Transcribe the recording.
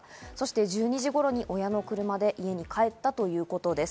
１２時頃に親の車で家に帰ったということです。